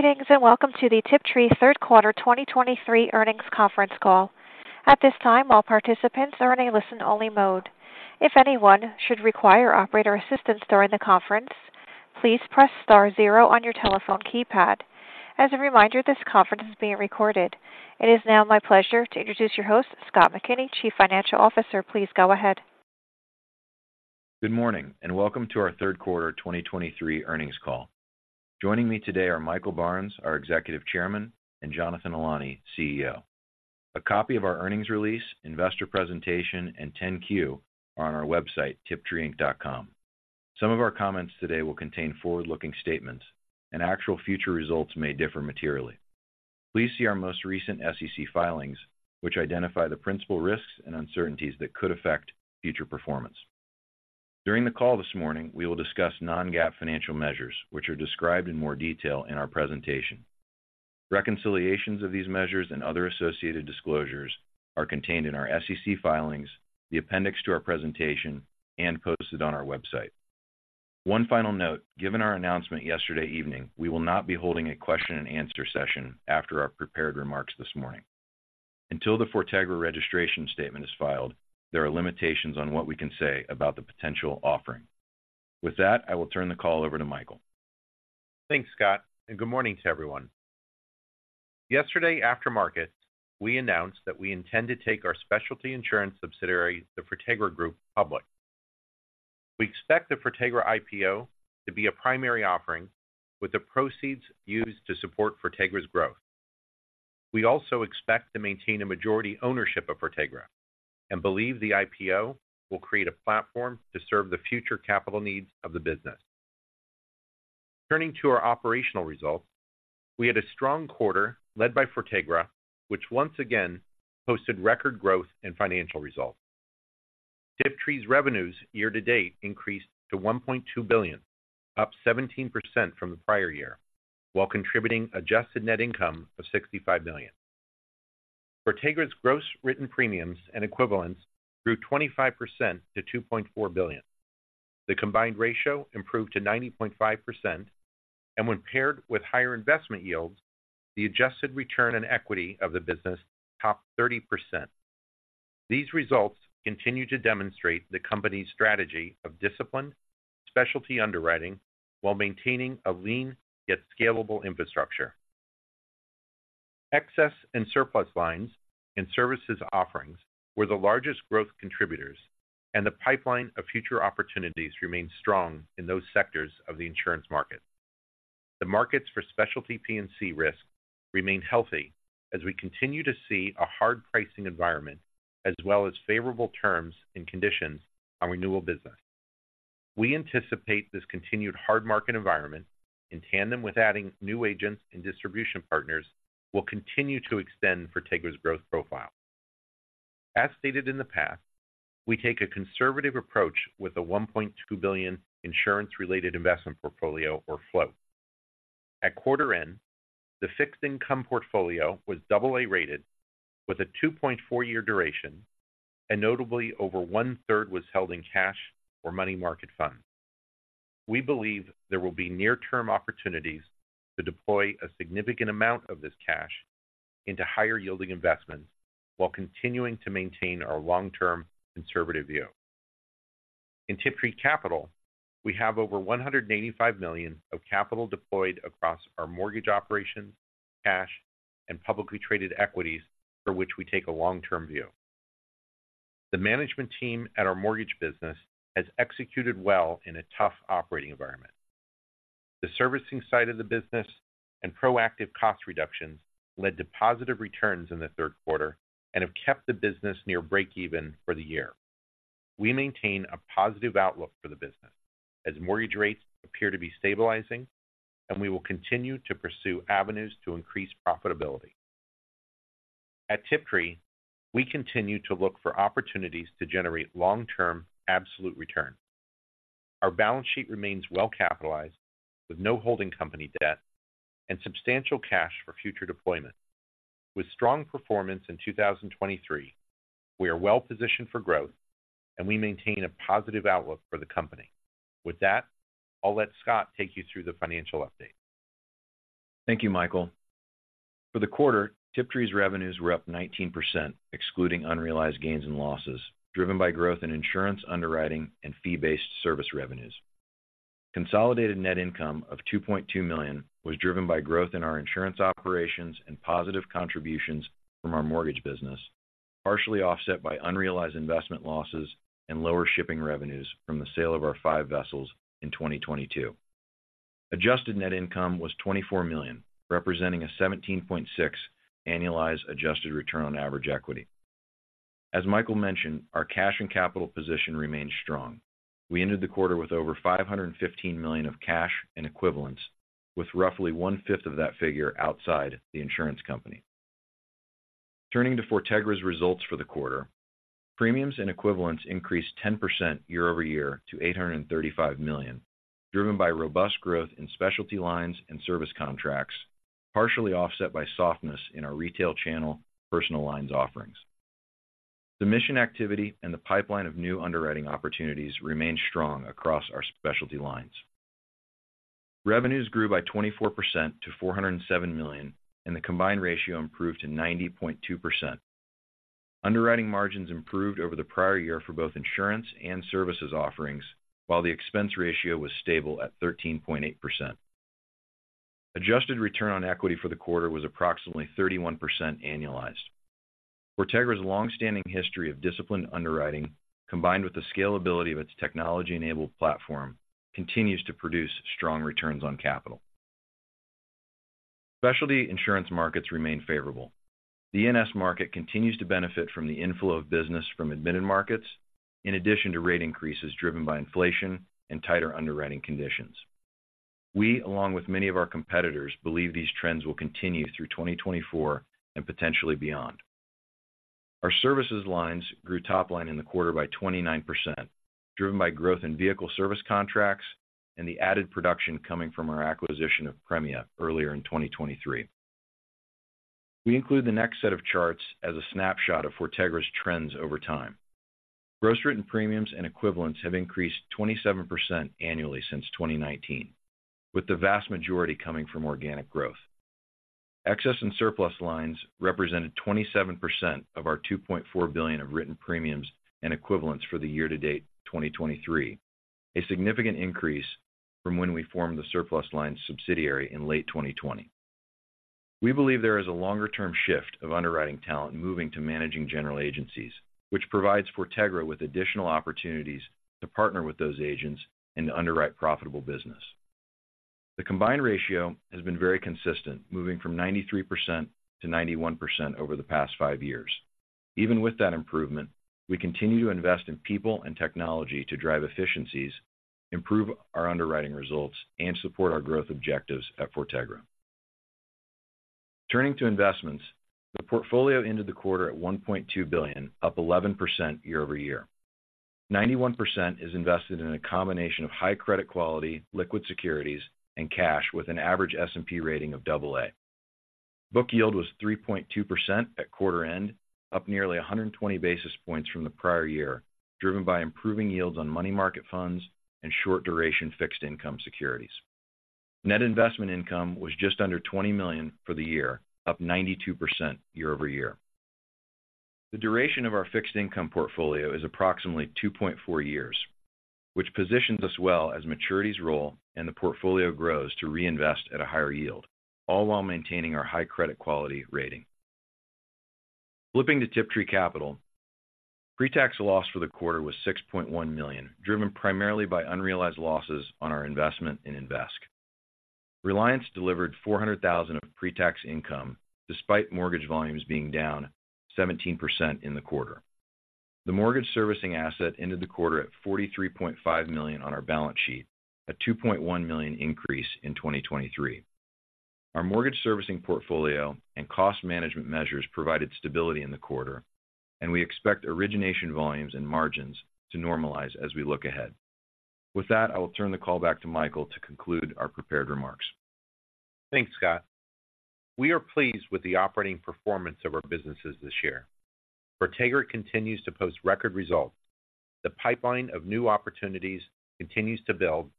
Greetings, and welcome to the Tiptree Third Quarter 2023 Earnings Conference Call. At this time, all participants are in a listen-only mode. If anyone should require operator assistance during the conference, please press star zero on your telephone keypad. As a reminder, this conference is being recorded. It is now my pleasure to introduce your host, Scott McKinney, Chief Financial Officer. Please go ahead. Good morning, and welcome to our Q3 2023 earnings call. Joining me today are Michael Barnes, our Executive Chairman, and Jonathan Ilany, CEO. A copy of our earnings release, investor presentation, and 10-Q are on our website, tiptreeinc.com. Some of our comments today will contain forward-looking statements, and actual future results may differ materially. Please see our most recent SEC filings, which identify the principal risks and uncertainties that could affect future performance. During the call this morning, we will discuss non-GAAP financial measures, which are described in more detail in our presentation. Reconciliations of these measures and other associated disclosures are contained in our SEC filings, the appendix to our presentation, and posted on our website. One final note: Given our announcement yesterday evening, we will not be holding a question-and-answer session after our prepared remarks this morning. Until the Fortegra registration statement is filed, there are limitations on what we can say about the potential offering. With that, I will turn the call over to Michael. Thanks, Scott, and good morning to everyone. Yesterday after market, we announced that we intend to take our specialty insurance subsidiary, the Fortegra Group, public. We expect the Fortegra IPO to be a primary offering, with the proceeds used to support Fortegra's growth. We also expect to maintain a majority ownership of Fortegra and believe the IPO will create a platform to serve the future capital needs of the business. Turning to our operational results, we had a strong quarter led by Fortegra, which once again posted record growth and financial results. Tiptree's revenues year to date increased to $1.2 billion, up 17% from the prior year, while contributing adjusted net income of $65 million. Fortegra's gross written premiums and equivalents grew 25% to $2.4 billion. The combined ratio improved to 90.5%, and when paired with higher investment yields, the adjusted return on equity of the business topped 30%. These results continue to demonstrate the company's strategy of disciplined specialty underwriting while maintaining a lean yet scalable infrastructure. Excess and surplus lines and services offerings were the largest growth contributors, and the pipeline of future opportunities remains strong in those sectors of the insurance market. The markets for specialty P&C risk remain healthy as we continue to see a hard pricing environment, as well as favorable terms and conditions on renewal business. We anticipate this continued hard market environment, in tandem with adding new agents and distribution partners, will continue to extend Fortegra's growth profile. As stated in the past, we take a conservative approach with a $1.2 billion insurance-related investment portfolio or float. At quarter end, the fixed income portfolio was double A-rated with a 2.4-year duration, and notably, over one-third was held in cash or money market funds. We believe there will be near-term opportunities to deploy a significant amount of this cash into higher-yielding investments while continuing to maintain our long-term conservative view. In Tiptree Capital, we have over $185 million of capital deployed across our mortgage operations, cash, and publicly traded equities, for which we take a long-term view. The management team at our mortgage business has executed well in a tough operating environment. The servicing side of the business and proactive cost reductions led to positive returns in the Q3 and have kept the business near breakeven for the year. We maintain a positive outlook for the business as mortgage rates appear to be stabilizing, and we will continue to pursue avenues to increase profitability. At Tiptree, we continue to look for opportunities to generate long-term absolute return. Our balance sheet remains well-capitalized, with no holding company debt and substantial cash for future deployment. With strong performance in 2023, we are well positioned for growth, and we maintain a positive outlook for the company. With that, I'll let Scott take you through the financial update. Thank you, Michael. For the quarter, Tiptree's revenues were up 19%, excluding unrealized gains and losses, driven by growth in insurance underwriting and fee-based service revenues. Consolidated net income of $2.2 million was driven by growth in our insurance operations and positive contributions from our mortgage business, partially offset by unrealized investment losses and lower shipping revenues from the sale of our 5 vessels in 2022. Adjusted net income was $24 million, representing a 17.6% annualized adjusted return on average equity. As Michael mentioned, our cash and capital position remains strong. We ended the quarter with over $515 million of cash and equivalents, with roughly one-fifth of that figure outside the insurance company. Turning to Fortegra's results for the quarter, premiums and equivalents increased 10% year-over-year to $835 million, driven by robust growth in specialty lines and service contracts, partially offset by softness in our retail channel personal lines offerings. The mission activity and the pipeline of new underwriting opportunities remain strong across our specialty lines. Revenues grew by 24% to $407 million, and the combined ratio improved to 90.2%. Underwriting margins improved over the prior year for both insurance and services offerings, while the expense ratio was stable at 13.8%. Adjusted return on equity for the quarter was approximately 31% annualized. Fortegra's long-standing history of disciplined underwriting, combined with the scalability of its technology-enabled platform, continues to produce strong returns on capital. Specialty insurance markets remain favorable. The E&S market continues to benefit from the inflow of business from admitted markets, in addition to rate increases driven by inflation and tighter underwriting conditions. We, along with many of our competitors, believe these trends will continue through 2024 and potentially beyond. Our services lines grew top line in the quarter by 29%, driven by growth in vehicle service contracts and the added production coming from our acquisition of Premia earlier in 2023. We include the next set of charts as a snapshot of Fortegra's trends over time. Gross written premiums and equivalents have increased 27% annually since 2019, with the vast majority coming from organic growth. Excess and surplus lines represented 27% of our $2.4 billion of written premiums and equivalents for the year-to-date 2023, a significant increase from when we formed the surplus lines subsidiary in late 2020. We believe there is a longer-term shift of underwriting talent moving to managing general agencies, which provides Fortegra with additional opportunities to partner with those agents and to underwrite profitable business. The combined ratio has been very consistent, moving from 93%-91% over the past five years. Even with that improvement, we continue to invest in people and technology to drive efficiencies, improve our underwriting results, and support our growth objectives at Fortegra. Turning to investments, the portfolio ended the quarter at $1.2 billion, up 11% year-over-year. 91% is invested in a combination of high credit quality, liquid securities, and cash with an average S&P rating of AA. Book yield was 3.2% at quarter end, up nearly 120 basis points from the prior year, driven by improving yields on money market funds and short-duration fixed income securities. Net investment income was just under $20 million for the year, up 92% year-over-year. The duration of our fixed income portfolio is approximately 2.4 years, which positions us well as maturities roll and the portfolio grows to reinvest at a higher yield, all while maintaining our high credit quality rating. Flipping to Tiptree Capital, pre-tax loss for the quarter was $6.1 million, driven primarily by unrealized losses on our investment in Invesque. Reliance delivered $400,000 of pre-tax income, despite mortgage volumes being down 17% in the quarter. The mortgage servicing asset ended the quarter at $43.5 million on our balance sheet, a $2.1 million increase in 2023. Our mortgage servicing portfolio and cost management measures provided stability in the quarter, and we expect origination volumes and margins to normalize as we look ahead. With that, I will turn the call back to Michael to conclude our prepared remarks. Thanks, Scott. We are pleased with the operating performance of our businesses this year. Fortegra continues to post record results. The pipeline of new opportunities continues to build,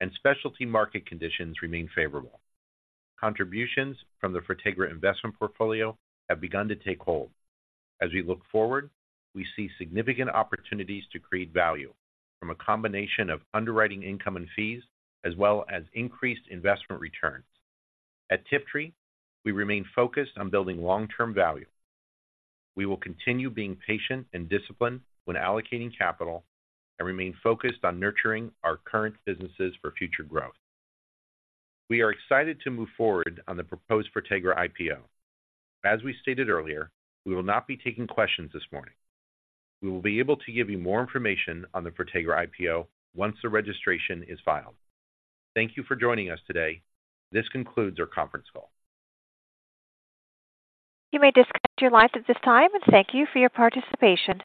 and specialty market conditions remain favorable. Contributions from the Fortegra investment portfolio have begun to take hold. As we look forward, we see significant opportunities to create value from a combination of underwriting income and fees, as well as increased investment returns. At Tiptree, we remain focused on building long-term value. We will continue being patient and disciplined when allocating capital and remain focused on nurturing our current businesses for future growth. We are excited to move forward on the proposed Fortegra IPO. As we stated earlier, we will not be taking questions this morning. We will be able to give you more information on the Fortegra IPO once the registration is filed. Thank you for joining us today. This concludes our conference call. You may disconnect your lines at this time and thank you for your participation.